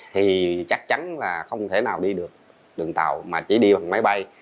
thì chắc chắn là không thể nào đi được đường tàu mà chỉ đi bằng máy bay